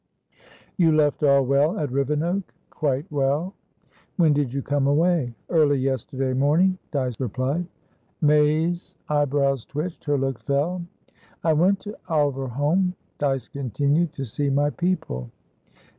"You left all well at Rivenoak?" "Quite well." "When did you come away?" "Early yesterday morning," Dyce replied. May's eyebrows twitched; her look fell. "I went to Alverholme," Dyce continued, "to see my people."